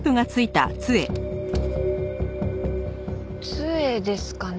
杖ですかね？